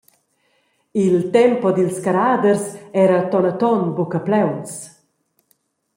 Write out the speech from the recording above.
Il tempo dils carraders era tonaton buca plauns.